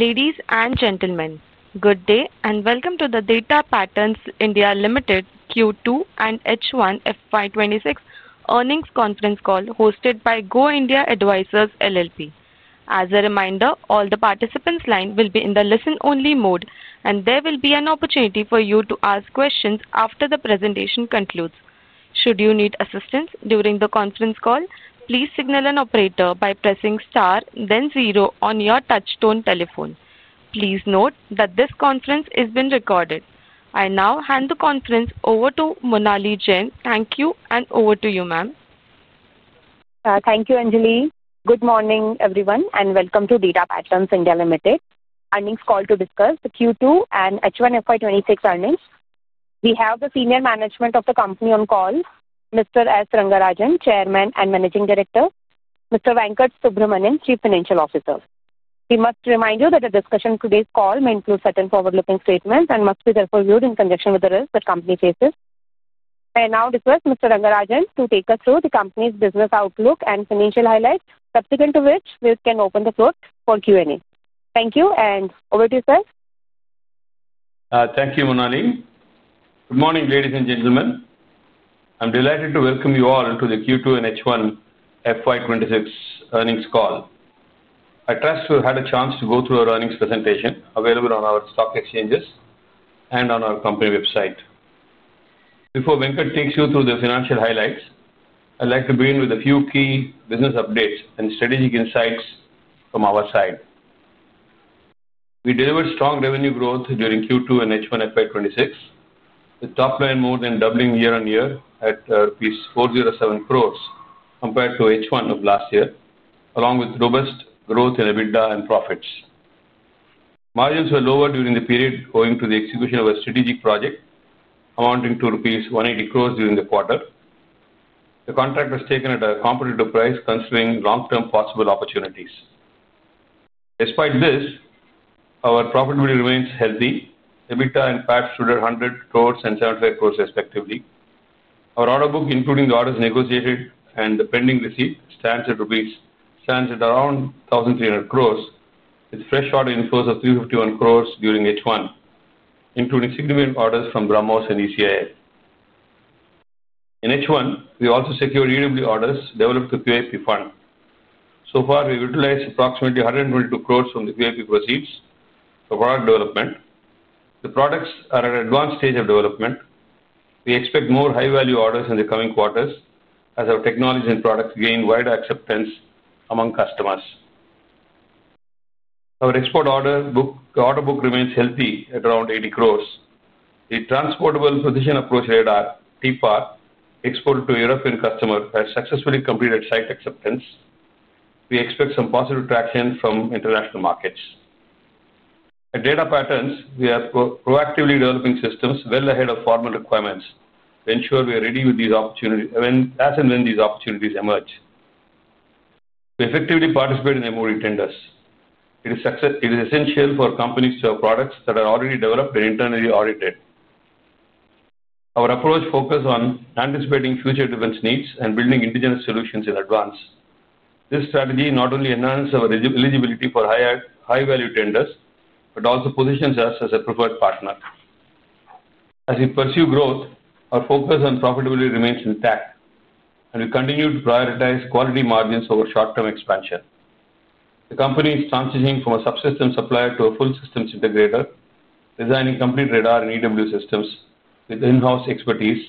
Ladies and gentlemen, good day and welcome to the Data Patterns India Limited Q2 and H1 FY 2026 Earnings Conference Call hosted by Go India Advisors LLP. As a reminder, all the participants' lines will be in the listen-only mode, and there will be an opportunity for you to ask questions after the presentation concludes. Should you need assistance during the conference call, please signal an operator by pressing star, then zero on your touchstone telephone. Please note that this conference is being recorded. I now hand the conference over to Monali Jain. Thank you, and over to you, ma'am. Thank you, Anjali. Good morning, everyone, and welcome to Data Patterns India Limited Earnings Call to discuss the Q2 and H1 FY 2026 Earnings. We have the senior management of the company on call, Mr. S. Rangarajan, Chairman and Managing Director, Mr. Venkata Subramanian, Chief Financial Officer. We must remind you that the discussion of today's call may include certain forward-looking statements and must be therefore viewed in conjunction with the risks that the company faces. I now request Mr. Rangarajan to take us through the company's business outlook and financial highlights, subsequent to which we can open the floor for Q&A. Thank you, and over to you, sir. Thank you, Monali. Good morning, ladies and gentlemen. I'm delighted to welcome you all to the Q2 and H1 FY 2026 earnings call. I trust you had a chance to go through our earnings presentation available on our stock exchanges and on our company website. Before Venkata takes you through the financial highlights, I'd like to begin with a few key business updates and strategic insights from our side. We delivered strong revenue growth during Q2 and H1 FY 2026, with top-line more than doubling year-on-year at rupees 407 crores compared to H1 of last year, along with robust growth in EBITDA and profits. Margins were lower during the period owing to the execution of a strategic project amounting to rupees 180 crores during the quarter. The contract was taken at a competitive price, considering long-term possible opportunities. Despite this, our profitability remains healthy. EBITDA and PAT stood at 100 crores and 75 crores, respectively. Our order book, including the orders negotiated and the pending receipt, stands at 1,300 crores, with fresh order inflows of 351 crores during H1, including significant orders from BrahMos and ECIL. In H1, we also secured EW orders developed through QAP Fund. So far, we've utilized approximately 122 crores from the QAP proceeds for product development. The products are at an advanced stage of development. We expect more high-value orders in the coming quarters as our technology and products gain wider acceptance among customers. Our export order book remains healthy at around 80 crores. The Transportable Precision Approach Radar, TPAR, exported to European customers has successfully completed site acceptance. We expect some positive traction from international markets. At Data Patterns, we are proactively developing systems well ahead of formal requirements to ensure we are ready as and when these opportunities emerge. We effectively participate in MOE tenders. It is essential for companies to have products that are already developed and internally audited. Our approach focuses on anticipating future defense needs and building indigenous solutions in advance. This strategy not only enhances our eligibility for high-value tenders but also positions us as a preferred partner. As we pursue growth, our focus on profitability remains intact, and we continue to prioritize quality margins over short-term expansion. The company is transitioning from a subsystem supplier to a full systems integrator, designing complete radar and EW systems with in-house expertise,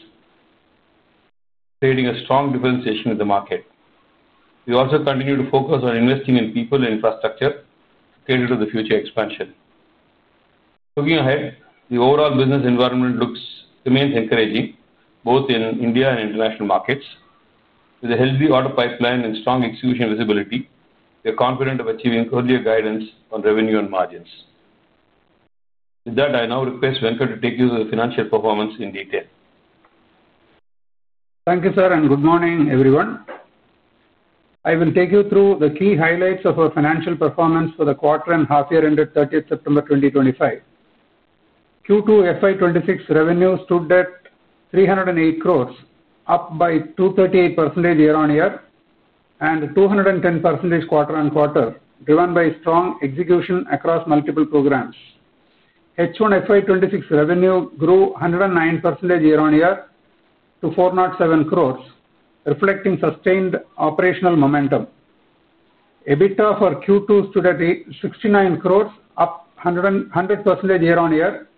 creating a strong differentiation in the market. We also continue to focus on investing in people and infrastructure catered to the future expansion. Looking ahead, the overall business environment remains encouraging both in India and international markets. With a healthy order pipeline and strong execution visibility, we are confident of achieving earlier guidance on revenue and margins. With that, I now request Venkata to take you through the financial performance in detail. Thank you, sir, and good morning, everyone. I will take you through the key highlights of our financial performance for the quarter and half-year ended 30 September 2025. Q2 FY 2026 revenue stood at 308 crore, up by 238% year-on-year and 210% quarter-on-quarter, driven by strong execution across multiple programs. H1 FY 2026 revenue grew 109% year-on-year to 407 crore, reflecting sustained operational momentum. EBITDA for Q2 stood at 69 crore, up 100% year-on-year.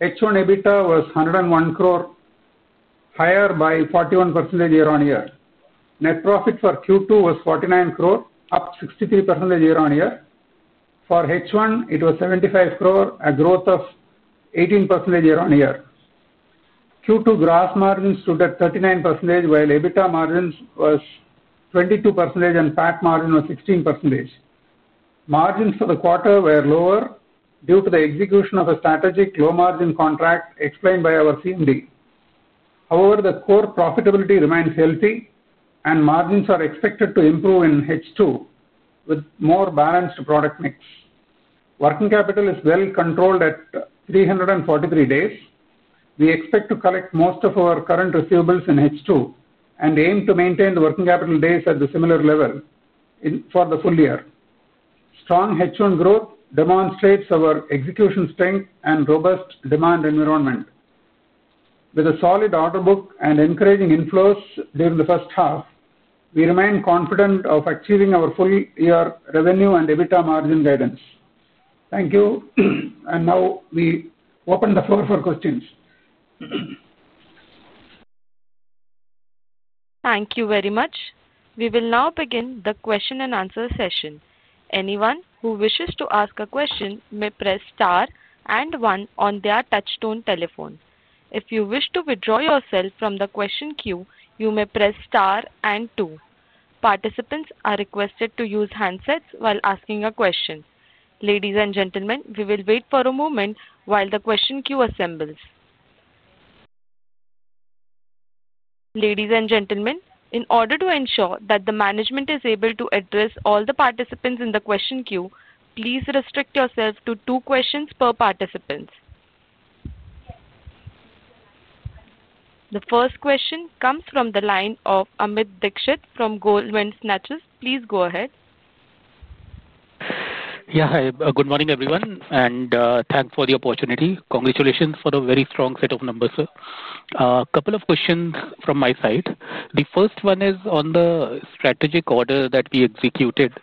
H1 EBITDA was 101 crore, higher by 41% year-on-year. Net profit for Q2 was 49 crore, up 63% year-on-year. For H1, it was 75 crore, a growth of 18% year-on-year. Q2 gross margins stood at 39%, while EBITDA margins were 22% and PAT margin was 16%. Margins for the quarter were lower due to the execution of a strategic low-margin contract explained by our CMD. However, the core profitability remains healthy, and margins are expected to improve in H2 with more balanced product mix. Working capital is well controlled at 343 days. We expect to collect most of our current receivables in H2 and aim to maintain the working capital days at a similar level for the full year. Strong H1 growth demonstrates our execution strength and robust demand environment. With a solid order book and encouraging inflows during the first half, we remain confident of achieving our full-year revenue and EBITDA margin guidance. Thank you, and now we open the floor for questions. Thank you very much. We will now begin the question-and-answer session. Anyone who wishes to ask a question may press star and one on their touchstone telephone. If you wish to withdraw yourself from the question queue, you may press star and two. Participants are requested to use handsets while asking a question. Ladies and gentlemen, we will wait for a moment while the question queue assembles. Ladies and gentlemen, in order to ensure that the management is able to address all the participants in the question queue, please restrict yourself to two questions per participant. The first question comes from the line of Amit Dixit from [Goldman Sachs]. Please go ahead. Yeah, good morning, everyone, and thanks for the opportunity. Congratulations for a very strong set of numbers, sir. A couple of questions from my side. The first one is on the strategic order that we executed.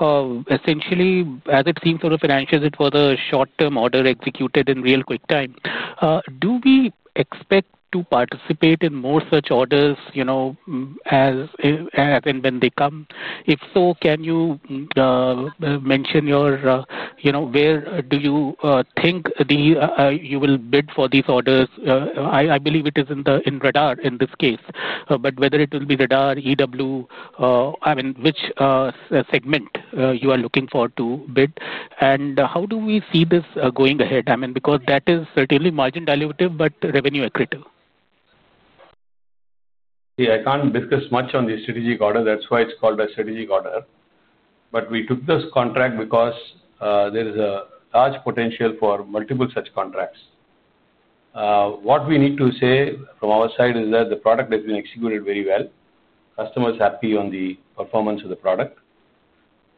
Essentially, as it seems to the financials, it was a short-term order executed in real quick time. Do we expect to participate in more such orders as and when they come? If so, can you mention where do you think you will bid for these orders? I believe it is in the radar in this case, but whether it will be radar, EW, I mean, which segment you are looking for to bid, and how do we see this going ahead? I mean, because that is certainly margin dilutive, but revenue-accretive. See, I can't discuss much on the strategic order. That's why it's called a strategic order. We took this contract because there is a large potential for multiple such contracts. What we need to say from our side is that the product has been executed very well. Customer is happy on the performance of the product.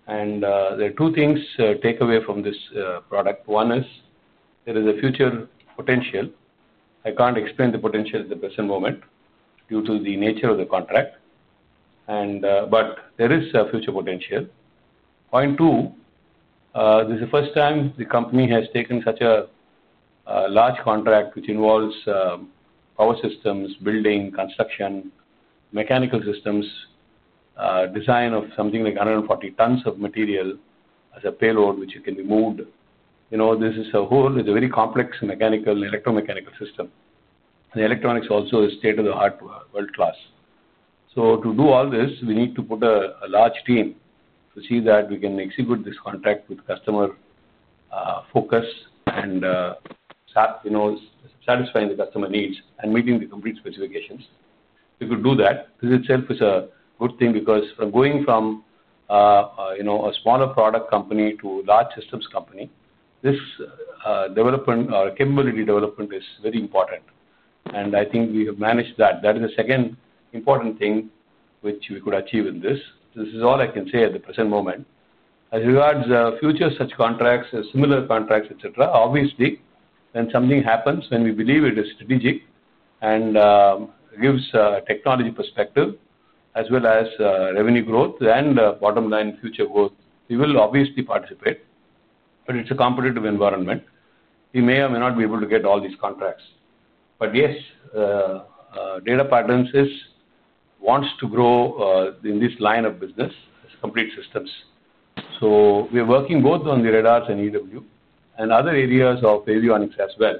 There are two things to take away from this product. One is there is a future potential. I can't explain the potential at the present moment due to the nature of the contract, but there is a future potential. Point two, this is the first time the company has taken such a large contract which involves power systems, building, construction, mechanical systems, design of something like 140 tons of material as a payload which can be moved. This is a whole very complex mechanical, electromechanical system. The electronics also is state-of-the-art, world-class. To do all this, we need to put a large team to see that we can execute this contract with customer focus and satisfying the customer needs and meeting the complete specifications. We could do that. This itself is a good thing because going from a smaller product company to a large systems company, this development or capability development is very important. I think we have managed that. That is the second important thing which we could achieve in this. This is all I can say at the present moment. As regards future such contracts, similar contracts, etc., obviously, when something happens, when we believe it is strategic and gives a technology perspective as well as revenue growth and bottom-line future growth, we will obviously participate. It is a competitive environment. We may or may not be able to get all these contracts. Yes, Data Patterns wants to grow in this line of business, complete systems. We are working both on the radars and EW and other areas of avionics as well.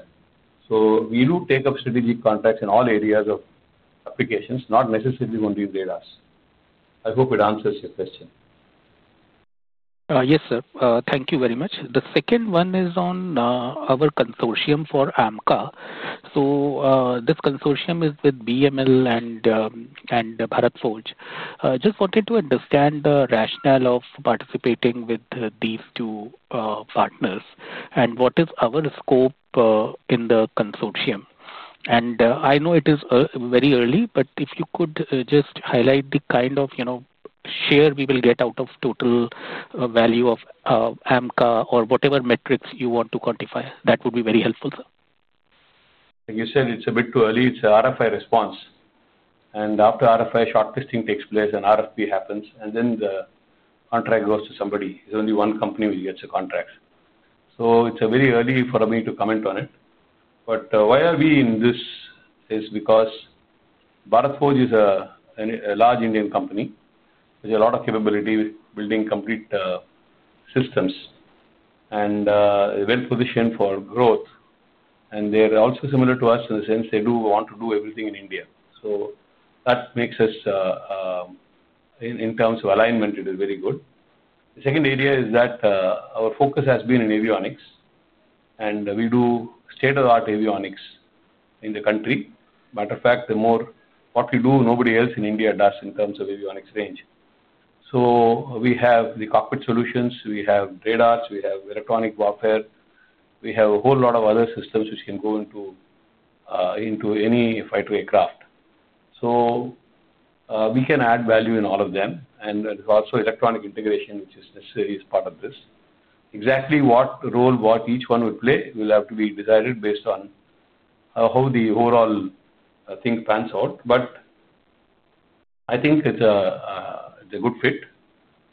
We do take up strategic contracts in all areas of applications, not necessarily only in radars. I hope it answers your question. Yes, sir. Thank you very much. The second one is on our consortium for AMCA. This consortium is with BML and Bharat Forge. Just wanted to understand the rationale of participating with these two partners and what is our scope in the consortium. I know it is very early, but if you could just highlight the kind of share we will get out of total value of AMCA or whatever metrics you want to quantify, that would be very helpful, sir. Like you said, it's a bit too early. It's RFI response. After RFI, shortlisting takes place and RFP happens, and then the contract goes to somebody. It's only one company who gets the contract. It's very early for me to comment on it. Why are we in this is because Bharat Forge is a large Indian company with a lot of capability, building complete systems, and well-positioned for growth. They're also similar to us in the sense they do want to do everything in India. That makes us, in terms of alignment, very good. The second area is that our focus has been in avionics, and we do state-of-the-art avionics in the country. Matter of fact, the more what we do, nobody else in India does in terms of avionics range. We have the cockpit solutions. We have radars. We have electronic warfare. We have a whole lot of other systems which can go into any fighter aircraft. We can add value in all of them. Also, electronic integration, which is necessary, is part of this. Exactly what role each one will play will have to be decided based on how the overall thing pans out. I think it's a good fit.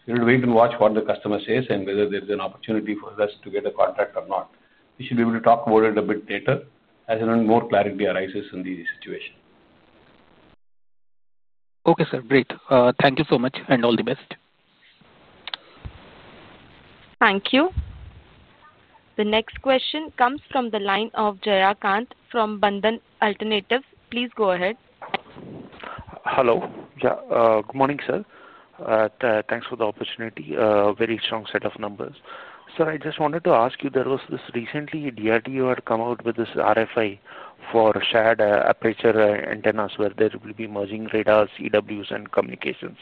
We need to wait and watch what the customer says and whether there's an opportunity for us to get a contract or not. We should be able to talk about it a bit later as more clarity arises in the situation. Okay, sir. Great. Thank you so much and all the best. Thank you. The next question comes from the line of Jayakant from Bandhan Alternatives. Please go ahead. Hello. Good morning, sir. Thanks for the opportunity. Very strong set of numbers. Sir, I just wanted to ask you, there was this recently DRDO had come out with this RFI for shared aperture antennas where there will be merging radars, EWs, and communications.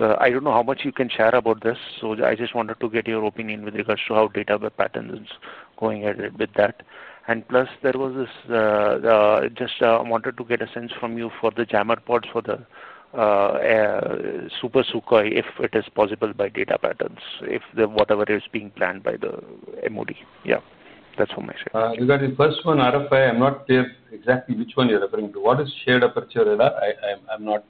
I don't know how much you can share about this. I just wanted to get your opinion with regards to how Data Patterns is going ahead with that. Plus, I just wanted to get a sense from you for the jammer pods for the Super Sukhoi, if it is possible by Data Patterns, if whatever is being planned by the MOD. Yeah. That's all my question. Regarding the first one, RFI, I'm not clear exactly which one you're referring to. What is shared aperture radar? I'm not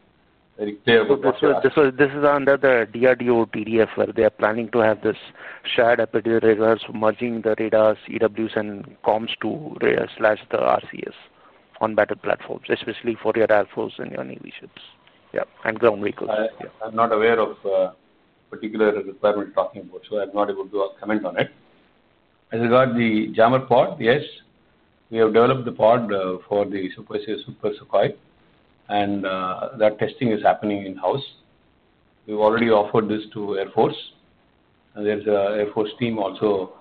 very clear about that. This is under the DRDO TDF where they are planning to have this shared aperture radars for merging the radars, EWs, and Comms to Slash RCS on battle platforms, especially for your air force and your navy ships. Yeah. And ground vehicles. I'm not aware of a particular requirement you're talking about, so I'm not able to comment on it. As regard the jammer pod, yes, we have developed the pod for the Super Sukhoi, and that testing is happening in-house. We've already offered this to Air Force. There's an Air Force team also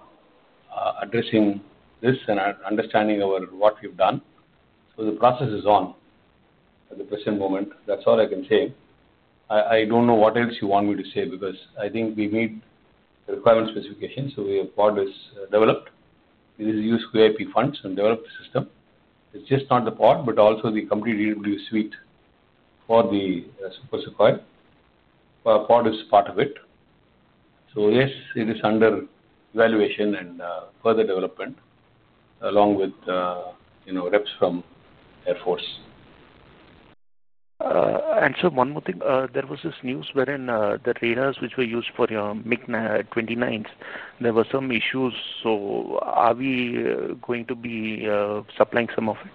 addressing this and understanding what we've done. The process is on at the present moment. That's all I can say. I don't know what else you want me to say because I think we meet the requirement specifications. We have brought this developed. It is used for QAP funds and developed the system. It's just not the pod, but also the complete EW suite for the Super Sukhoi. Pod is part of it. Yes, it is under evaluation and further development along with reps from Air Force. Sir, one more thing. There was this news wherein the radars which were used for your MiG-29s, there were some issues. Are we going to be supplying some of it?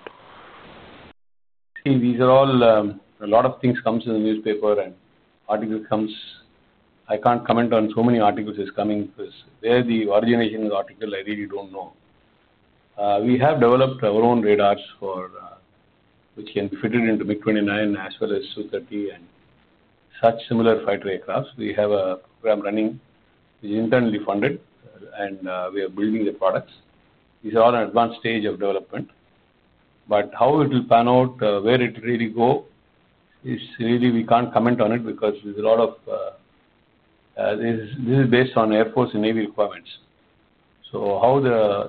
See, these are all a lot of things comes in the newspaper and article comes. I can't comment on so many articles is coming because where the origination of the article, I really don't know. We have developed our own radars which can be fitted into MiG-29 as well as Su-30 and such similar fighter aircraft. We have a program running which is internally funded, and we are building the products. These are all in advanced stage of development. How it will pan out, where it really goes, is really we can't comment on it because there's a lot of this is based on Air Force and Navy requirements. How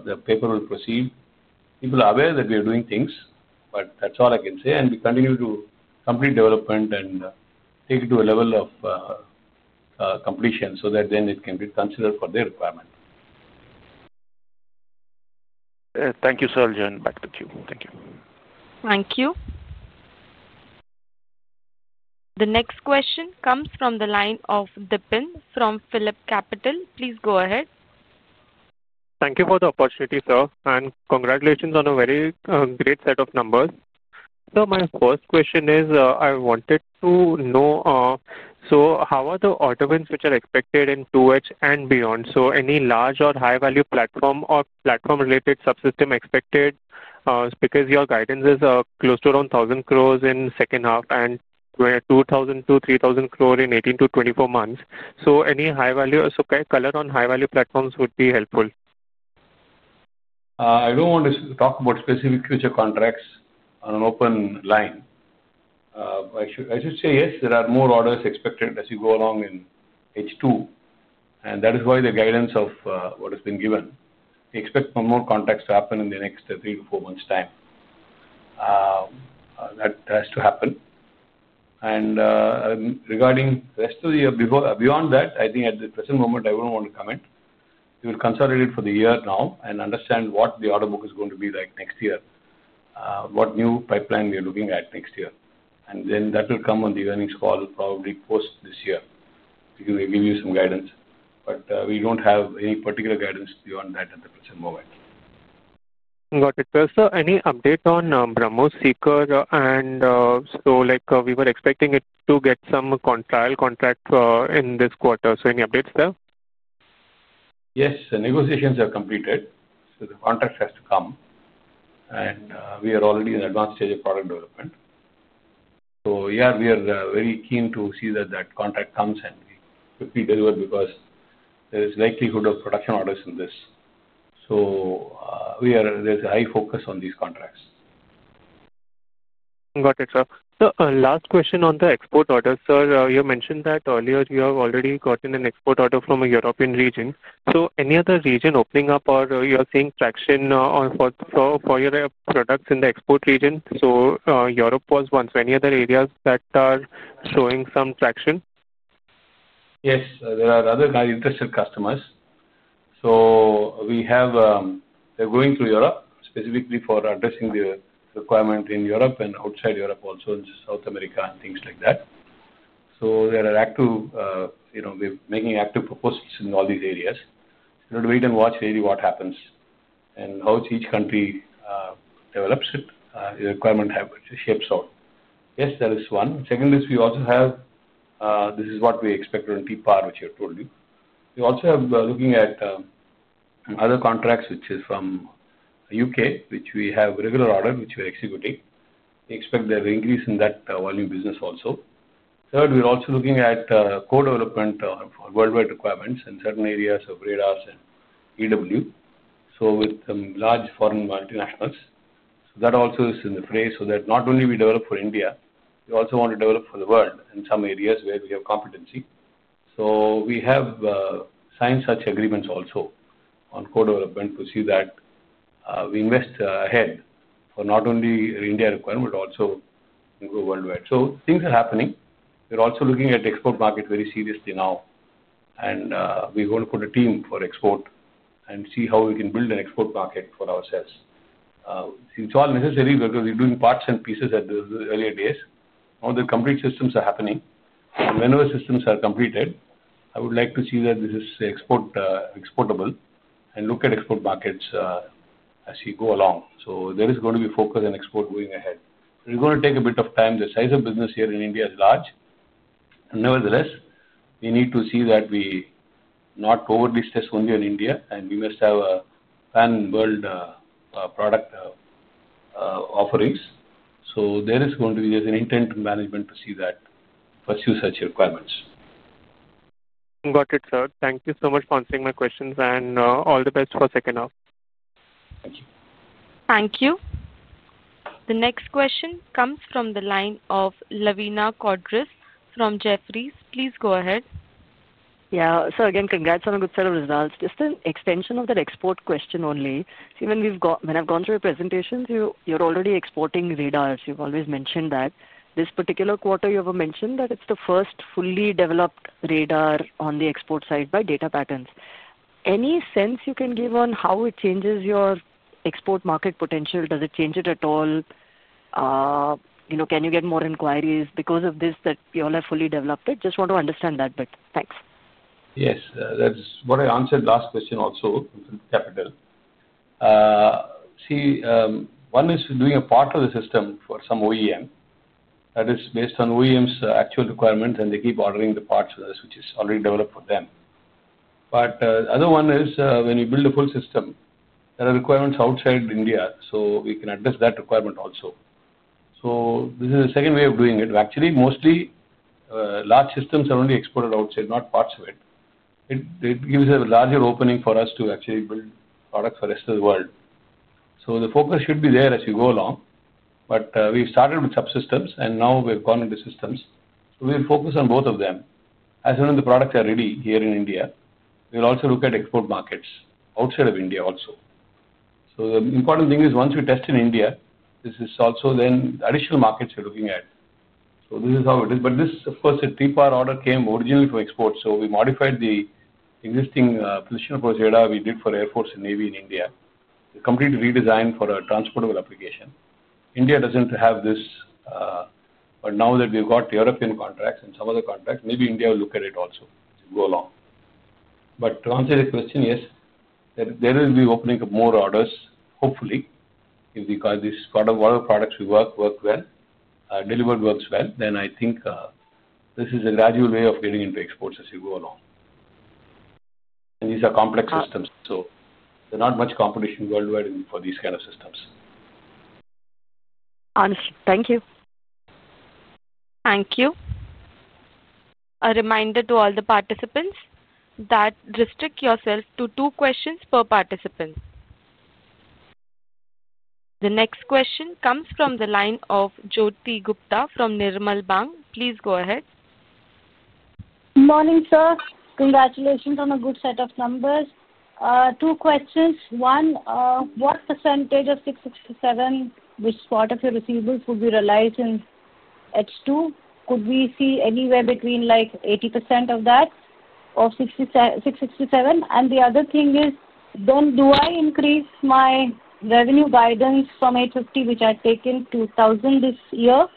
the paper will proceed, people are aware that we are doing things, but that's all I can say. We continue to complete development and take it to a level of completion so that then it can be considered for their requirement. Thank you, sir. I'll join back to the queue. Thank you. Thank you. The next question comes from the line of Dipen from PhillipCapital. Please go ahead. Thank you for the opportunity, sir. Congratulations on a very great set of numbers. Sir, my first question is I wanted to know, how are the order wins which are expected in 2H and beyond? Any large or high-value platform or platform-related subsystem expected because your guidance is close to around 1,000 crore in the second half and 2,000 crore-3,000 crore in 18 to 24 months. Any high-value color on high-value platforms would be helpful. I do not want to talk about specific future contracts on an open line. I should say yes, there are more orders expected as you go along in H2. That is why the guidance of what has been given. We expect more contracts to happen in the next three to four months' time. That has to happen. Regarding the rest of the year beyond that, I think at the present moment, I would not want to comment. We will consolidate for the year now and understand what the order book is going to be like next year, what new pipeline we are looking at next year. That will come on the earnings call probably post this year because we will give you some guidance. We do not have any particular guidance beyond that at the present moment. Got it. Sir, any updates on BrahMos seeker? We were expecting to get some trial contract in this quarter. Any updates there? Yes. Negotiations are completed. The contract has to come. We are already in advanced stage of product development. Yeah, we are very keen to see that contract comes and be delivered because there is likelihood of production orders in this. There is a high focus on these contracts. Got it, sir. Sir, last question on the export orders. Sir, you mentioned that earlier you have already gotten an export order from a European region. Any other region opening up or you're seeing traction for your products in the export region? Europe was one. Any other areas that are showing some traction? Yes. There are other interested customers. We have, they're going through Europe, specifically for addressing the requirement in Europe and outside Europe also, in South America and things like that. They're making active proposals in all these areas. We've got to wait and watch really what happens and how each country develops it, the requirement shapes out. Yes, there is one. Second is we also have, this is what we expect on TPAR, which I told you. We also are looking at other contracts, which is from the U.K., which we have regular order, which we're executing. We expect there will be increase in that volume business also. Third, we're also looking at co-development for worldwide requirements in certain areas of radars and EW, with large foreign multinationals. That also is in the phrase so that not only we develop for India, we also want to develop for the world in some areas where we have competency. We have signed such agreements also on co-development to see that we invest ahead for not only India requirement, but also worldwide. Things are happening. We're also looking at the export market very seriously now. We're going to put a team for export and see how we can build an export market for ourselves. It's all necessary because we're doing parts and pieces at the earlier days. Now the complete systems are happening. Whenever systems are completed, I would like to see that this is exportable and look at export markets as we go along. There is going to be focus on export going ahead. It's going to take a bit of time. The size of business here in India is large. Nevertheless, we need to see that we not overly stress only on India, and we must have a pan-world product offerings. There is going to be, there's an intent management to see that pursue such requirements. Got it, sir. Thank you so much for answering my questions. All the best for second half. Thank you. Thank you. The next question comes from the line of Lavina Quadros from Jefferies. Please go ahead. Yeah. Again, congrats on a good set of results. Just an extension of that export question only. When I've gone through your presentations, you're already exporting radars. You've always mentioned that. This particular quarter, you ever mentioned that it's the first fully developed radar on the export side by Data Patterns. Any sense you can give on how it changes your export market potential? Does it change it at all? Can you get more inquiries because of this that you all have fully developed it? Just want to understand that bit. Thanks. Yes. That's what I answered last question also with Capital. See, one is doing a part of the system for some OEM that is based on OEM's actual requirements, and they keep ordering the parts for this, which is already developed for them. The other one is when we build a full system, there are requirements outside India. We can address that requirement also. This is the second way of doing it. Actually, mostly large systems are only exported outside, not parts of it. It gives a larger opening for us to actually build products for the rest of the world. The focus should be there as we go along. We've started with subsystems, and now we've gone into systems. We'll focus on both of them. As soon as the products are ready here in India, we'll also look at export markets outside of India also. The important thing is once we test in India, this is also then the additional markets we're looking at. This is how it is. Of course, the TPAR order came originally from export. We modified the existing position for radar we did for Air Force and Navy in India. It's completely redesigned for a transportable application. India doesn't have this. Now that we've got European contracts and some other contracts, maybe India will look at it also as we go along. To answer the question, yes, there will be opening up more orders, hopefully. If these products work well, delivered works well, then I think this is a gradual way of getting into exports as we go along. These are complex systems. There's not much competition worldwide for these kind of systems. Thank you. Thank you. A reminder to all the participants that restrict yourself to two questions per participant. The next question comes from the line of Jyoti Gupta from Nirmal Bang. Please go ahead. Good morning, sir. Congratulations on a good set of numbers. Two questions. One, what percentage of 667 crore, which part of your receivables will be realized in H2? Could we see anywhere between like 80% of that of 667 crore? The other thing is, do I increase my revenue guidance from H50, which I have taken 2,000 crore this year?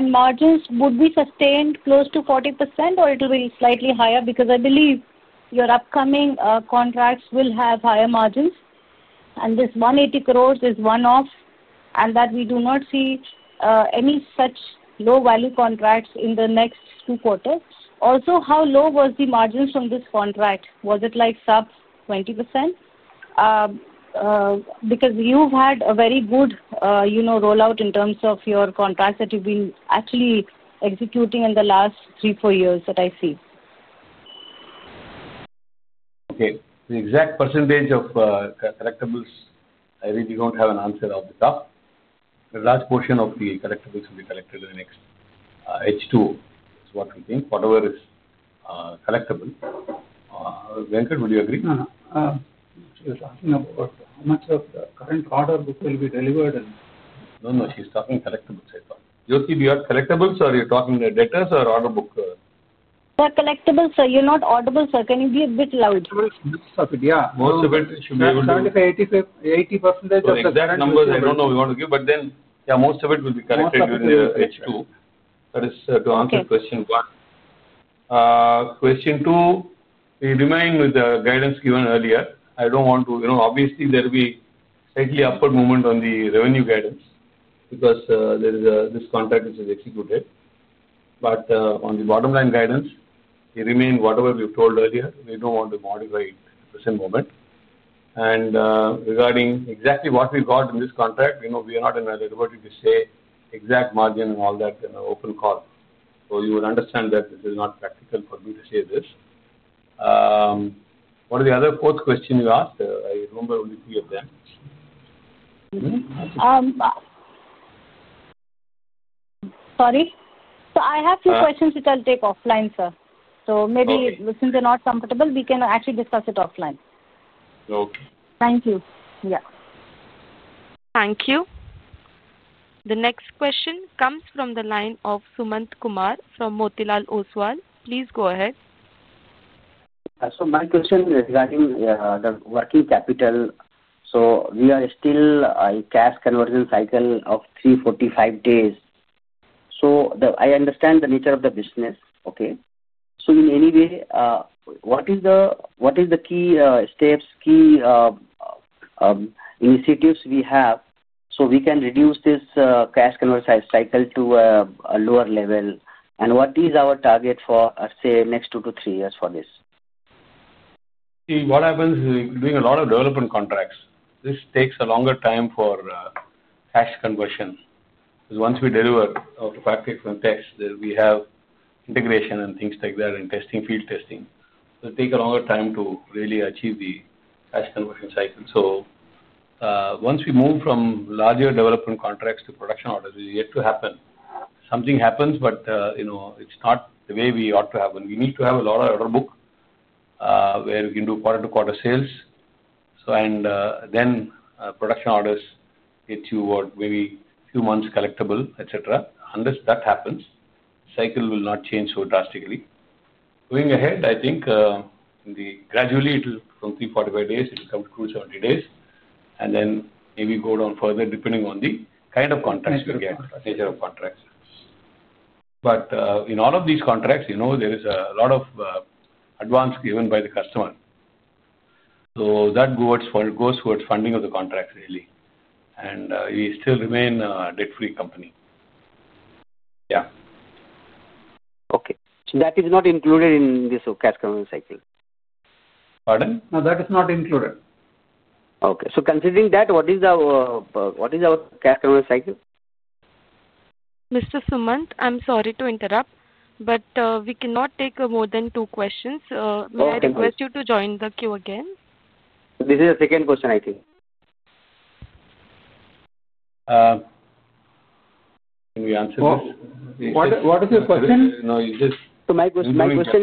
Margins would be sustained close to 40%, or will it be slightly higher? I believe your upcoming contracts will have higher margins. This 180 crore is one-off, and we do not see any such low-value contracts in the next two quarters. Also, how low were the margins from this contract? Was it like sub 20%? You have had a very good rollout in terms of your contracts that you have been actually executing in the last three, four years that I see. Okay. The exact percentage of collectibles, I really don't have an answer off the top. A large portion of the collectibles will be collected in the next H2 is what we think, whatever is collectible. Venkata, would you agree? No, no. She was asking about how much of the current order book will be delivered. No, no. She's talking collectibles, I thought. Jyoti, do you have collectibles, or are you talking the debtors or order book? They're collectibles, sir. You're not audible, sir. Can you be a bit loud? Most of it, yeah. Most of it should be able to. 75%-80% of the. Exact numbers I do not know we want to give, but then, yeah, most of it will be collected during the H2. That is to answer question one. Question two, we remain with the guidance given earlier. I do not want to, obviously, there will be slightly upward movement on the revenue guidance because there is this contract which is executed. On the bottom line guidance, we remain whatever we have told earlier. We do not want to modify it at the present moment. Regarding exactly what we got in this contract, we are not in a liability to say exact margin and all that in an open call. You will understand that this is not practical for me to say this. What are the other fourth question you asked? I remember only three of them. Sorry. I have two questions which I'll take offline, sir. Maybe since you're not comfortable, we can actually discuss it offline. Okay. Thank you. Yeah. Thank you. The next question comes from the line of Sumant Kumar from Motilal Oswal. Please go ahead. My question regarding the working capital. We are still a cash conversion cycle of 345 days. I understand the nature of the business, okay? In any way, what is the key steps, key initiatives we have so we can reduce this cash conversion cycle to a lower level? What is our target for, say, next two to three years for this? See, what happens is we're doing a lot of development contracts. This takes a longer time for cash conversion. Once we deliver automatically from tests, then we have integration and things like that and testing, field testing. It takes a longer time to really achieve the cash conversion cycle. Once we move from larger development contracts to production orders, it's yet to happen. Something happens, but it's not the way we ought to have one. We need to have a lot of order book where we can do quarter-to-quarter sales. Production orders get you maybe a few months collectible, etc. Unless that happens, the cycle will not change so drastically. Going ahead, I think gradually from 345 days, it will come to 270 days. Maybe go down further depending on the kind of contracts we get, nature of contracts. In all of these contracts, there is a lot of advance given by the customer. That goes towards funding of the contracts really. We still remain a debt-free company. Yeah. Okay. So that is not included in this cash conversion cycle? Pardon? No, that is not included. Okay. So considering that, what is our cash conversion cycle? Mr. Sumanth, I'm sorry to interrupt, but we cannot take more than two questions. Okay. May I request you to join the queue again? This is the second question, I think. Can we answer this? What is your question? No, you just. My question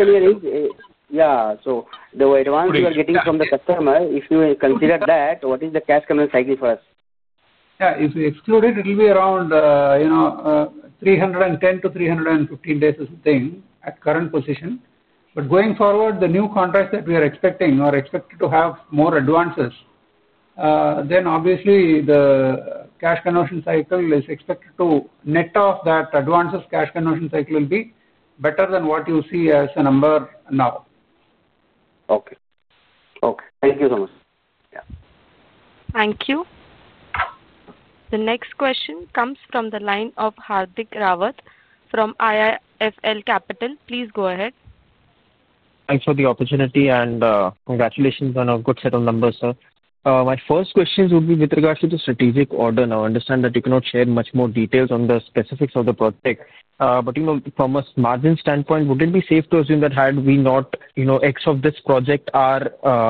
here is, yeah, the advance you are getting from the customer, if you consider that, what is the cash conversion cycle for us? Yeah. If we exclude it, it'll be around 310 days-315 days is the thing at current position. Going forward, the new contracts that we are expecting or expected to have more advances, then obviously the cash conversion cycle is expected to net off that advances. Cash conversion cycle will be better than what you see as a number now. Okay. Okay. Thank you so much. Thank you. The next question comes from the line of Hardik Rawat from IIFL Capital. Please go ahead. Thanks for the opportunity and congratulations on a good set of numbers, sir. My first question would be with regards to the strategic order. Now, I understand that you cannot share much more details on the specifics of the project. From a margin standpoint, would it be safe to assume that had we not X of this project, our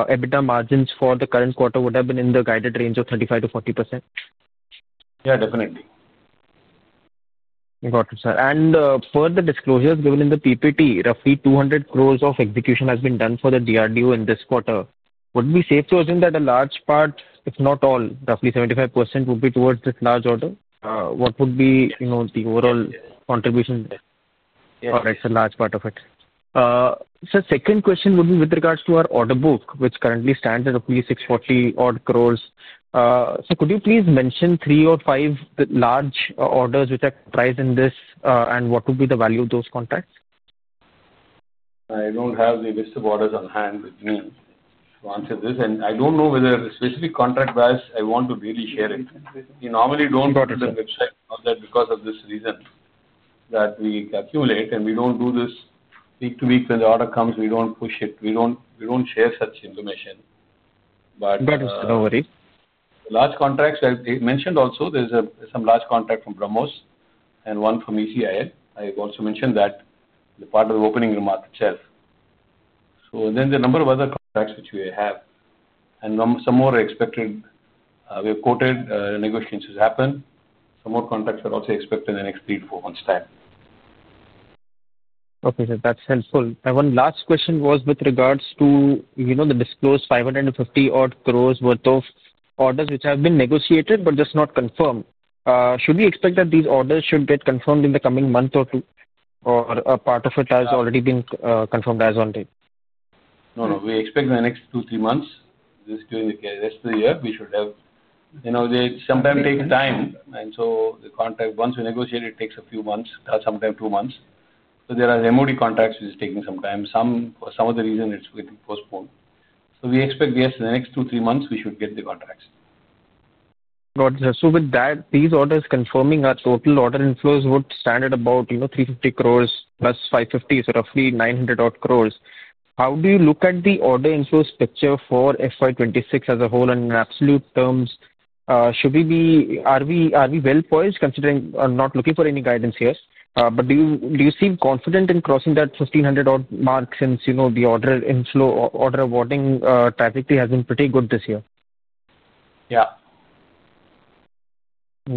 EBITDA margins for the current quarter would have been in the guided range of 35%-40%? Yeah, definitely. Got it, sir. For the disclosures given in the PPT, roughly 200 crores of execution has been done for the DRDO in this quarter. Would it be safe to assume that a large part, if not all, roughly 75%, would be towards this large order? What would be the overall contribution? Yes. All right. It's a large part of it. The second question would be with regards to our order book, which currently stands at roughly rupees 640 crore. Could you please mention three or five large orders which are priced in this and what would be the value of those contracts? I don't have the list of orders on hand with me to answer this. I don't know whether the specific contract bias I want to really share it. We normally don't put it on the website because of this reason that we accumulate. We don't do this week to week when the order comes. We don't push it. We don't share such information. No worries. The large contracts I mentioned also, there's some large contract from BrahMos and one from ECIL. I also mentioned that in the part of the opening remark itself. Then the number of other contracts which we have, and some more are expected. We have quoted, negotiations happen. Some more contracts are also expected in the next three to four months' time. Okay, sir. That's helpful. My one last question was with regards to the disclosed 550 crore worth of orders which have been negotiated but just not confirmed. Should we expect that these orders should get confirmed in the coming month or two? Or a part of it has already been confirmed as on date? No, no. We expect the next two, three months. This is the rest of the year. We should have, sometimes it takes time. The contract, once we negotiate, it takes a few months, sometimes two months. There are MOD contracts which are taking some time. Some of the reason it's getting postponed. We expect, yes, in the next two, three months, we should get the contracts. Got it, sir. With that, these orders confirming our total order inflows would stand at about 350 crore plus 550 crore, so roughly 900 crore. How do you look at the order inflows picture for FY 2026 as a whole and in absolute terms? Should we be, are we well poised considering not looking for any guidance here? Do you seem confident in crossing that 1,500 crore mark since the order inflow order awarding trajectory has been pretty good this year? Yeah.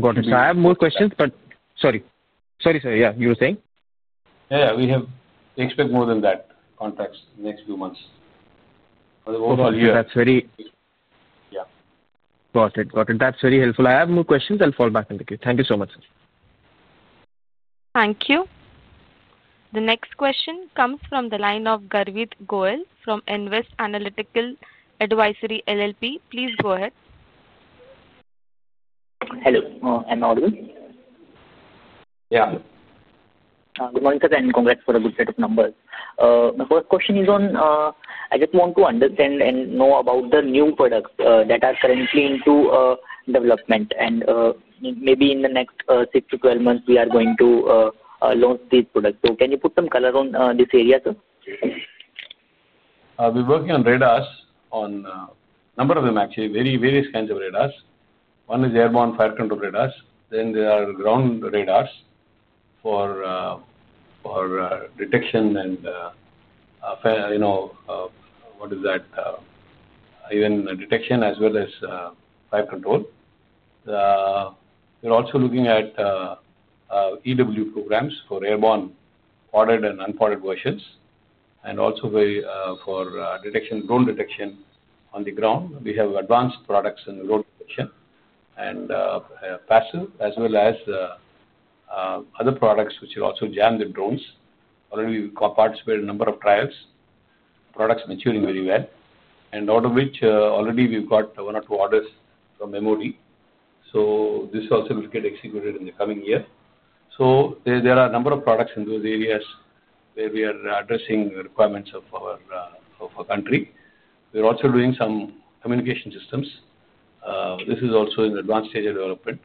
Got it. I have more questions, but sorry. Sorry, sir. Yeah, you were saying? Yeah, yeah. We expect more than that contracts in the next few months for the whole year. Okay. That's very. Yeah. Got it. Got it. That's very helpful. I have more questions. I'll fall back on the queue. Thank you so much, sir. Thank you. The next question comes from the line of Garvit Goyal from Nvest Analytical Advisory LLP. Please go ahead. Hello. I'm Arvind. Yeah. Good morning, sir, and congrats for a good set of numbers. My first question is on I just want to understand and know about the new products that are currently into development. And maybe in the next 6months-12 months, we are going to launch these products. So can you put some color on this area, sir? We're working on radars, on a number of them, actually. Various kinds of radars. One is airborne fire control radars. There are ground radars for detection and, what is that, even detection as well as fire control. We're also looking at EW programs for airborne podded and unpodded versions. Also for drone detection on the ground. We have advanced products in the road detection and passive as well as other products which will also jam the drones. Already, we participated in a number of trials. Products maturing very well. Out of which, already we've got one or two orders from MOD. This also will get executed in the coming year. There are a number of products in those areas where we are addressing requirements of our country. We're also doing some communication systems. This is also in advanced stage of development.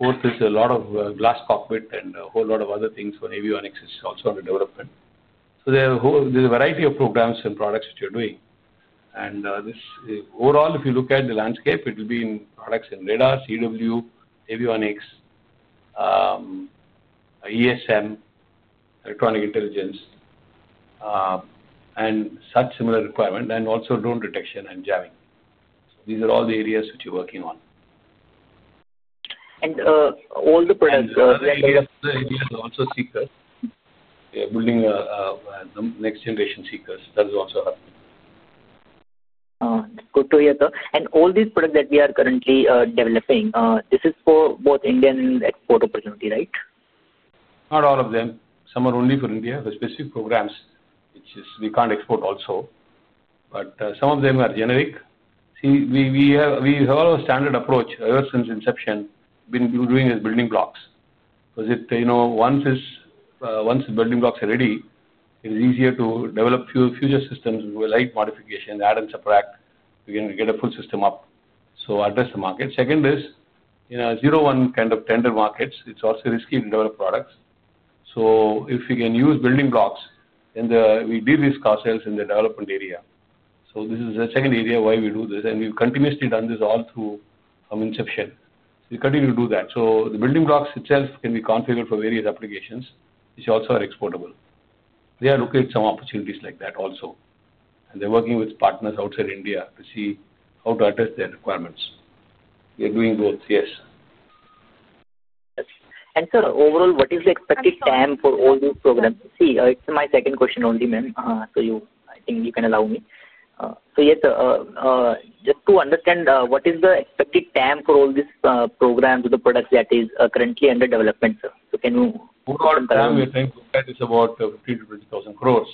Fourth is a lot of glass cockpit and a whole lot of other things for avionics is also under development. There is a variety of programs and products which we're doing. Overall, if you look at the landscape, it will be in products in radars, EW, avionics, ESM, electronic intelligence, and such similar requirement, and also drone detection and jamming. These are all the areas which we're working on. All the products. We have other areas also, seekers. We are building the next generation seekers. That is also happening. Good to hear, sir. All these products that we are currently developing, this is for both Indian and export opportunity, right? Not all of them. Some are only for India. The specific programs which we can't export also. Some of them are generic. See, we have a standard approach ever since inception. What we've been doing is building blocks. Because once the building blocks are ready, it is easier to develop future systems with light modifications, add and subtract, we can get a full system up. To address the market. Second is in a zero-one kind of tender markets, it's also risky to develop products. If we can use building blocks, then we de-risk ourselves in the development area. This is the second area why we do this. We've continuously done this all through from inception. We continue to do that. The building blocks itself can be configured for various applications, which also are exportable. They are looking at some opportunities like that also. They are working with partners outside India to see how to address their requirements. We are doing both, yes. Sir, overall, what is the expected time for all these programs? It's my second question only, ma'am. I think you can allow me. Yes, sir, just to understand what is the expected time for all these programs with the products that are currently under development, sir? Can you confirm? We are trying to look at is about 15,000 crores-20,000 crores.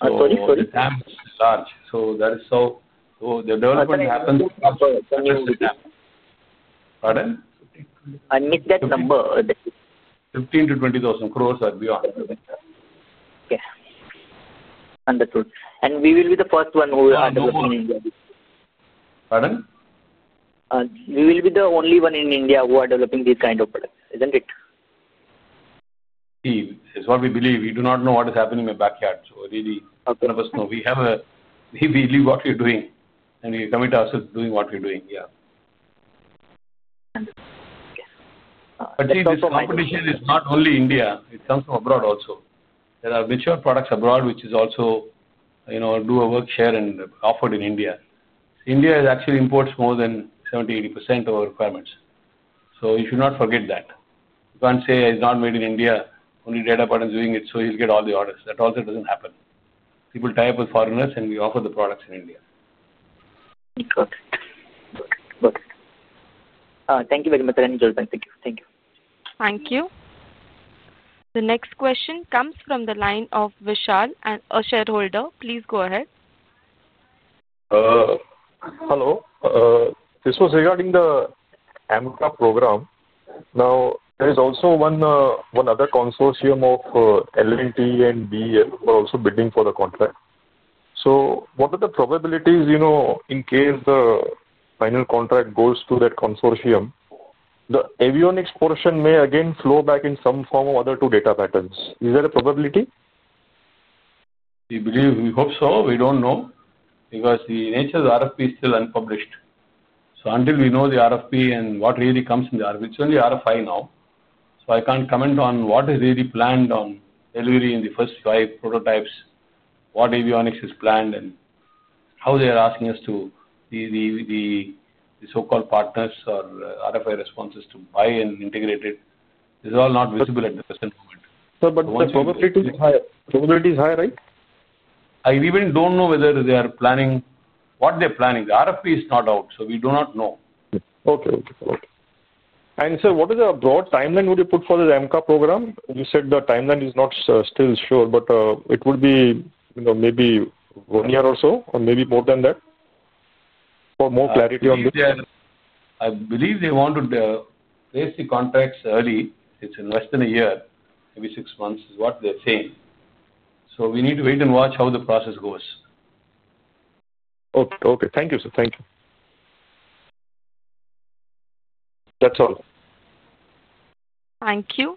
Sorry, sorry. The time is large. That is, the development happens in some instances. Pardon? I missed that number. 15,000 crores-20,000 crores or beyond. Okay. Understood. We will be the first one who are developing in India. Pardon? We will be the only one in India who are developing these kind of products, isn't it? See, it's what we believe. We do not know what is happening in the backyard. Really, none of us know. We believe what we're doing. And we commit ourselves to doing what we're doing. Yeah. This competition is not only India. It comes from abroad also. There are mature products abroad which also do a work share and are offered in India. India actually imports more than 70%-80% of our requirements. You should not forget that. You can't say it's not made in India. Only Data Patterns are doing it, so he'll get all the orders. That also doesn't happen. People tie up with foreigners and we offer the products in India. Got it. Thank you very much, sir, and you're welcome. Thank you. Thank you. The next question comes from the line of Vishal and a shareholder. Please go ahead. Hello. This was regarding the AMCA program. Now, there is also one other consortium of L&T and BEL who are also bidding for the contract. What are the probabilities in case the final contract goes to that consortium? The avionics portion may again flow back in some form or other to Data Patterns. Is there a probability? We hope so. We don't know. Because the nature of the RFP is still unpublished. Until we know the RFP and what really comes in the RFP, it's only RFI now. I can't comment on what is really planned on delivery in the first five prototypes, what avionics is planned, and how they are asking us, the so-called partners or RFI responses, to buy and integrate it. This is all not visible at the present moment. Sir, the probability is higher. The probability is higher, right? I even don't know whether they are planning what they're planning. The RFP is not out, so we do not know. Okay. Okay. Okay. Sir, what is the broad timeline you would put for the AMCA program? You said the timeline is not still sure, but it would be maybe one year or so or maybe more than that? For more clarity on this. I believe they want to place the contracts early. It's in less than a year, maybe six months is what they're saying. So we need to wait and watch how the process goes. Okay. Okay. Thank you, sir. Thank you. That's all. Thank you.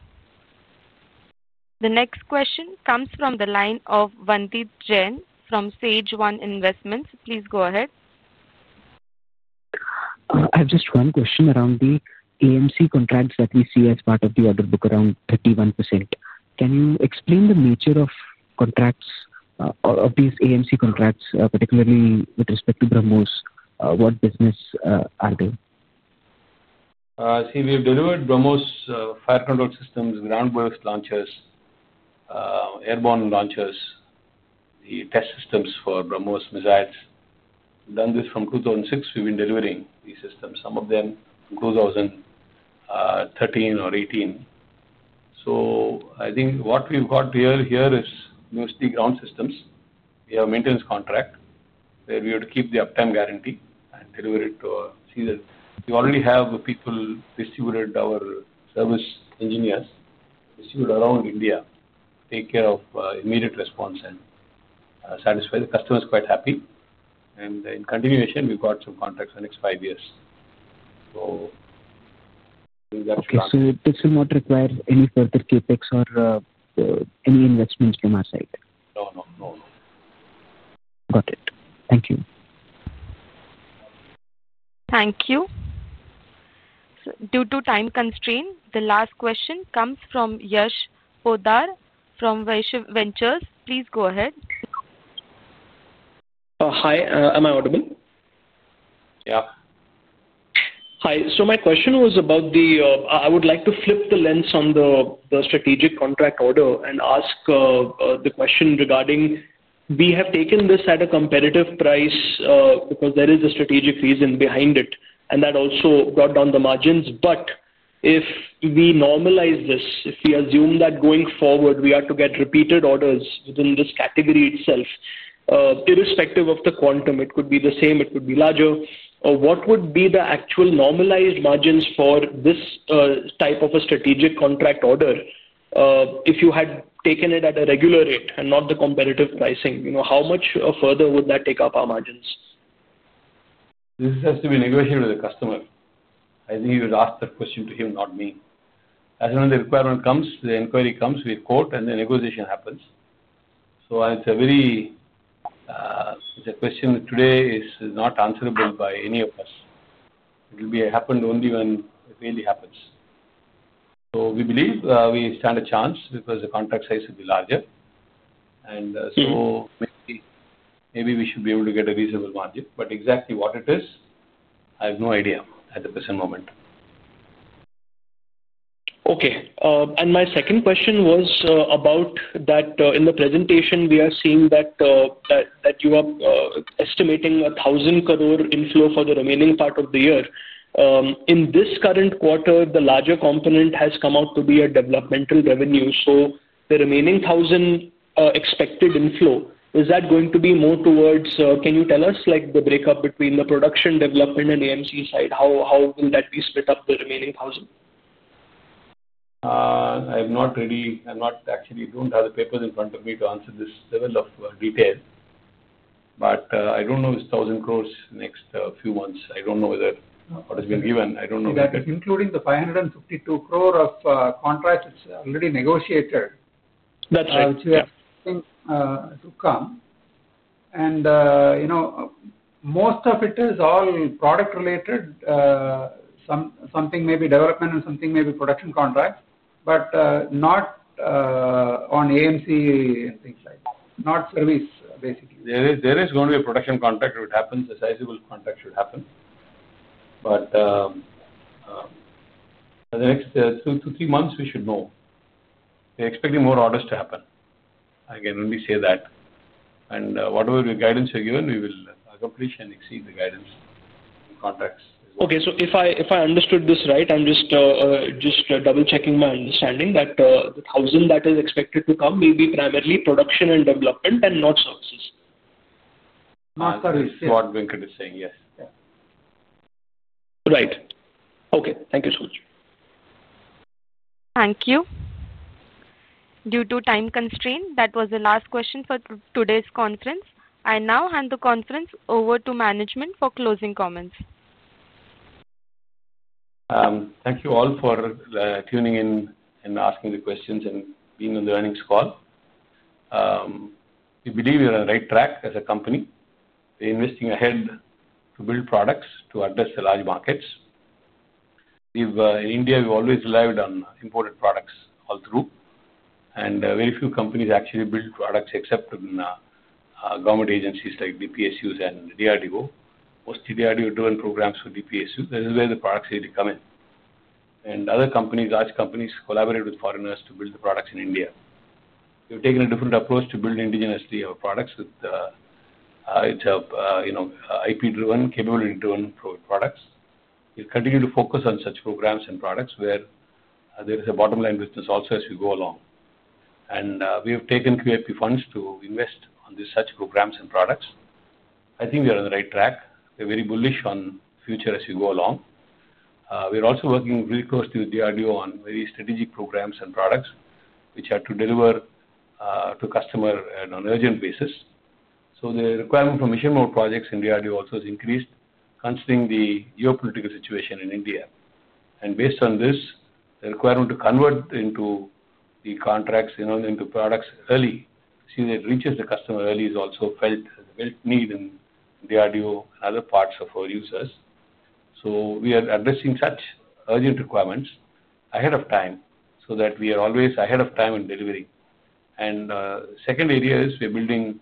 The next question comes from the line of Vandit Jain from SageOne Investments. Please go ahead. I have just one question around the AMC contracts that we see as part of the order book, around 31%. Can you explain the nature of these AMC contracts, particularly with respect to BrahMos? What business are they? See, we've delivered BrahMos fire control systems, ground-based launchers, airborne launchers, the test systems for BrahMos missiles. We've done this from 2006. We've been delivering these systems. Some of them from 2013 or 2018. I think what we've got here is mostly ground systems. We have a maintenance contract where we would keep the uptime guarantee and deliver it to a season. We already have people distributed, our service engineers around India to take care of immediate response and satisfy the customers, quite happy. In continuation, we've got some contracts for the next five years. That's the plan. Okay. So it does not require any further CapEx or any investment from our side? No. Got it. Thank you. Thank you. Due to time constraint, the last question comes from Yash Poddar from Vaishiv Ventures. Please go ahead. Hi. Am I audible? Yeah. Hi. My question was about the, I would like to flip the lens on the strategic contract order and ask the question regarding, we have taken this at a competitive price because there is a strategic reason behind it, and that also brought down the margins. If we normalize this, if we assume that going forward, we are to get repeated orders within this category itself, irrespective of the quantum, it could be the same, it could be larger, what would be the actual normalized margins for this type of a strategic contract order if you had taken it at a regular rate and not the competitive pricing? How much further would that take up our margins? This has to be negotiated with the customer. I think you would ask that question to him, not me. As soon as the requirement comes, the inquiry comes, we quote, and the negotiation happens. It is a question that today is not answerable by any of us. It will happen only when it really happens. We believe we stand a chance because the contract size should be larger. Maybe we should be able to get a reasonable margin. Exactly what it is, I have no idea at the present moment. Okay. My second question was about that in the presentation, we are seeing that you are estimating 1,000 crore inflow for the remaining part of the year. In this current quarter, the larger component has come out to be a developmental revenue. The remaining 1,000 crore expected inflow, is that going to be more towards, can you tell us the breakup between the production, development, and AMC side? How will that be split up, the remaining 1,000 crore? I have not really actually don't have the papers in front of me to answer this level of detail. I don't know if 1,000 crore in the next few months. I don't know whether what has been given. I don't know. See, that is including the 552 crore of contracts that's already negotiated. That's right. Which we are expecting to come. Most of it is all product-related, something maybe development and something maybe production contracts, but not on AMC and things like that. Not service, basically. There is going to be a production contract which happens. A sizable contract should happen. In the next two to three months, we should know. We're expecting more orders to happen. Again, let me say that. Whatever guidance we're given, we will accomplish and exceed the guidance on contracts. Okay. So if I understood this right, I'm just double-checking my understanding that the 1,000 crore that is expected to come may be primarily production and development and not services. That's what Venkata is saying. Yes. Right. Okay. Thank you so much. Thank you. Due to time constraint, that was the last question for today's conference. I now hand the conference over to management for closing comments. Thank you all for tuning in and asking the questions and being on the earnings call. We believe we're on the right track as a company. We're investing ahead to build products to address the large markets. In India, we've always relied on imported products all through. Very few companies actually build products except in government agencies like DPSUs and DRDO. Mostly DRDO-driven programs for DPSUs. That is where the products really come in. Other companies, large companies, collaborate with foreigners to build the products in India. We've taken a different approach to build indigenously our products with IP-driven, capability-driven products. We'll continue to focus on such programs and products where there is a bottom-line business also as we go along. We have taken QAP funds to invest on such programs and products. I think we are on the right track. We're very bullish on the future as we go along. We're also working very closely with DRDO on very strategic programs and products which are to deliver to customer on an urgent basis. The requirement for mission-mode projects in DRDO also has increased considering the geopolitical situation in India. Based on this, the requirement to convert into the contracts and into products early, seeing that it reaches the customer early, is also felt as a built need in DRDO and other parts of our users. We are addressing such urgent requirements ahead of time so that we are always ahead of time in delivery. The second area is we're building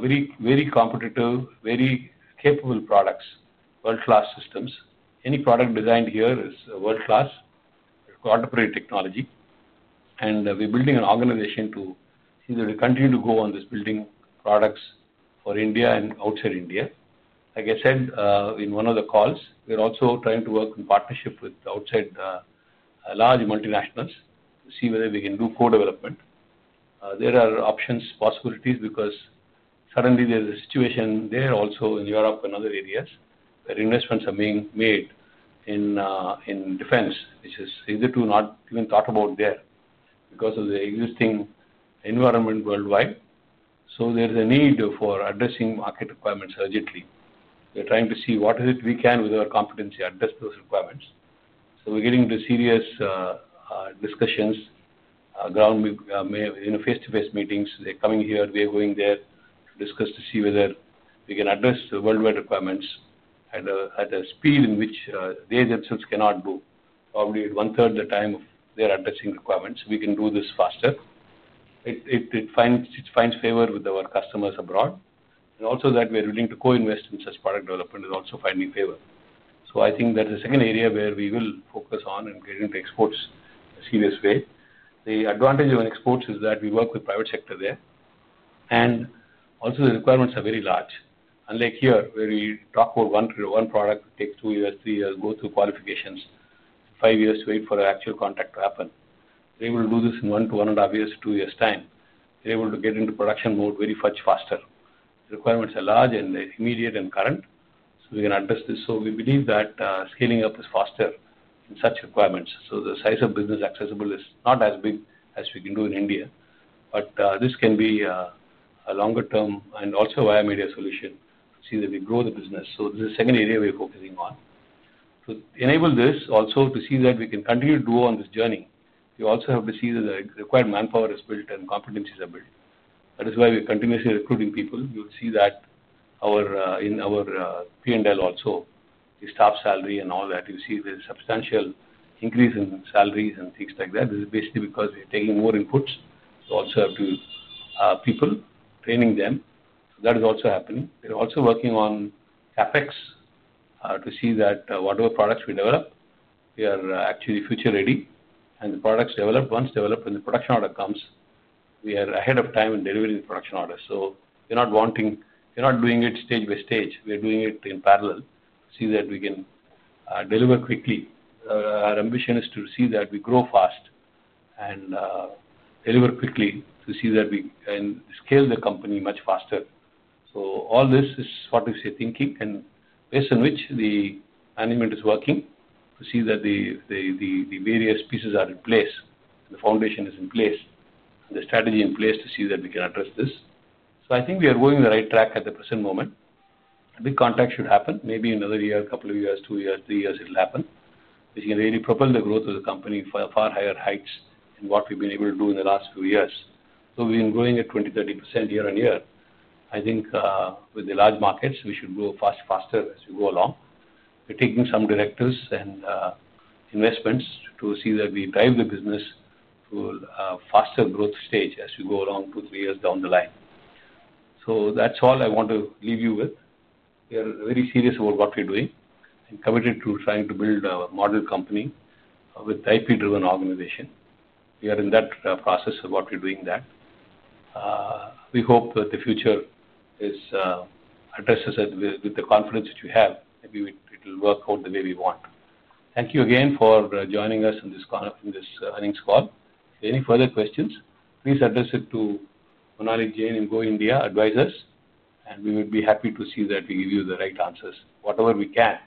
very competitive, very capable products, world-class systems. Any product designed here is world-class, quadruple technology. We're building an organization to continue to go on this building products for India and outside India. Like I said in one of the calls, we're also trying to work in partnership with outside large multinationals to see whether we can do co-development. There are options, possibilities, because suddenly there is a situation there also in Europe and other areas where investments are being made in defense, which is either too not even thought about there because of the existing environment worldwide. There is a need for addressing market requirements urgently. We're trying to see what is it we can with our competency address those requirements. We're getting into serious discussions in face-to-face meetings. They're coming here. We're going there to discuss to see whether we can address the worldwide requirements at a speed in which they themselves cannot do. Probably at one-third the time of their addressing requirements, we can do this faster. It finds favor with our customers abroad. Also that we're willing to co-invest in such product development is also finding favor. I think that's the second area where we will focus on and get into exports in a serious way. The advantage of exports is that we work with private sector there. Also the requirements are very large. Unlike here, where we talk about one product, it takes two years, three years, go through qualifications, five years to wait for an actual contract to happen. We're able to do this in one to one and a half years to two years' time. We're able to get into production mode much faster. The requirements are large and immediate and current, so we can address this. We believe that scaling up is faster in such requirements. The size of business accessible is not as big as we can do in India. This can be a longer-term and also a via media solution to see that we grow the business. This is the second area we're focusing on. To enable this, also to see that we can continue to go on this journey, we also have to see that the required manpower is built and competencies are built. That is why we're continuously recruiting people. You'll see that in our P&L also, the staff salary and all that. You see there's a substantial increase in salaries and things like that. This is basically because we're taking more inputs. We also have to have people, training them. That is also happening. We're also working on CapEx to see that whatever products we develop, we are actually future-ready. The products develop, once developed, when the production order comes, we are ahead of time in delivering the production order. We're not wanting, we're not doing it stage by stage. We're doing it in parallel to see that we can deliver quickly. Our ambition is to see that we grow fast and deliver quickly to see that we can scale the company much faster. All this is what we're thinking and based on which the management is working to see that the various pieces are in place, the foundation is in place, and the strategy in place to see that we can address this. I think we are going the right track at the present moment. The big contract should happen. Maybe in another year, a couple of years, two years, three years, it'll happen. We can really propel the growth of the company for far higher heights than what we've been able to do in the last few years. We've been growing at 20%-30% year on year. I think with the large markets, we should grow faster as we go along. We're taking some directives and investments to see that we drive the business to a faster growth stage as we go along two-three years down the line. That's all I want to leave you with. We are very serious about what we're doing and committed to trying to build a modern company with IP-driven organization. We are in that process of what we're doing. We hope that the future is addressed with the confidence that we have. Maybe it'll work out the way we want. Thank you again for joining us in this earnings call. If you have any further questions, please address it to Monali Jain and Go India Advisors. We would be happy to see that we give you the right answers, whatever we can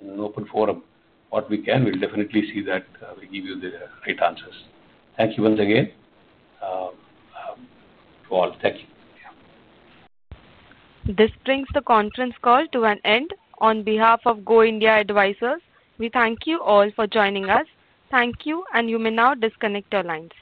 in an open forum. What we can, we'll definitely see that we give you the right answers. Thank you once again to all. Thank you. This brings the conference call to an end. On behalf of Go India Advisors, we thank you all for joining us. Thank you, and you may now disconnect your lines.